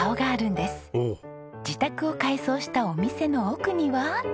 自宅を改装したお店の奥には。